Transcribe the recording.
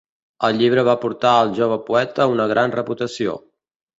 El llibre va portar al jove poeta una gran reputació.